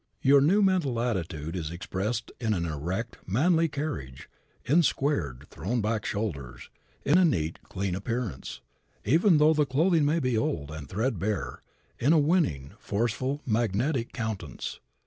Your new mental attitude is expressed in an erect, manly carriage, in squared, thrown back shoulders, in a neat, clean appearance, even though the clothing be old and threadbare, in a winning, forceful, magnetic countenance.